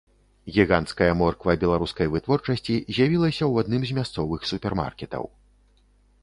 Гіганцкая морква беларускай вытворчасці з'явілася ў адным з мясцовых супермаркетаў.